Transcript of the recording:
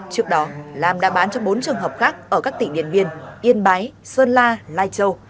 trước đó lam đã bán cho bốn trường hợp khác ở các tỉnh điện biên yên bái sơn la lai châu